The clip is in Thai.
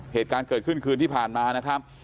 เหตุการณ์เกิดขึ้นคืนที่ผ่านมานะครับ